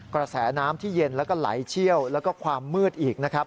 กระแสน้ำที่เย็นแล้วก็ไหลเชี่ยวและความมืดอีก